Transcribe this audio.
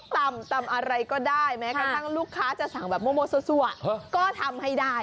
ตำตำอะไรก็ได้แม้กระทั่งลูกค้าจะสั่งแบบมั่วซั่วก็ทำให้ได้